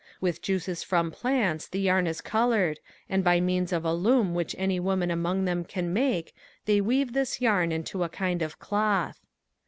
With juices from plants the yarn is colored and by means of a loom which any woman among them can make they weave this yarn into a kind of cloth.